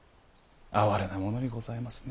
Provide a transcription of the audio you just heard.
哀れなものにございますね。